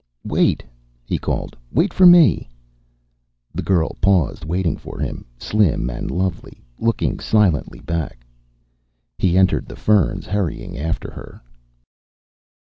"Wait," he called. "Wait for me." The girl paused, waiting for him, slim and lovely, looking silently back. He entered the ferns, hurrying after her.